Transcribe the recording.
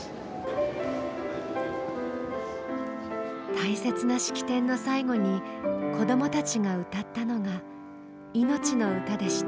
大切な式典の最後に子どもたちが歌ったのが「いのちの歌」でした。